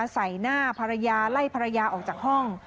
ใส่หน้าภรรยาไล่ภรรยาออกจากห้อง